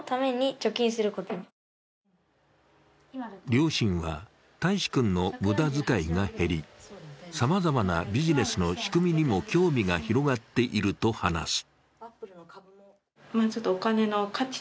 両親は、泰士君の無駄遣いが減りさまざまなビジネスの仕組みにも興味が広がっていると話す。